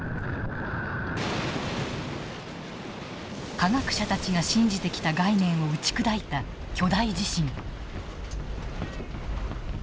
科学者たちが信じてきた概念を打ち砕いた巨大地震。